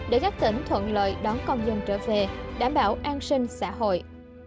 để các tỉnh thuận lợi đón con dân trở về đảm bảo an sinh xã hội